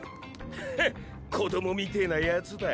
ハッ子どもみてえなヤツだ。